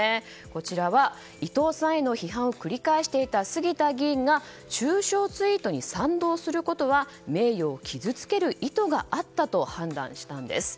こちらは伊藤さんへの批判を繰り返していた杉田議員が中傷ツイートに賛同することは名誉を傷つける意図があったと判断したんです。